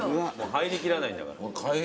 入りきらないんだから。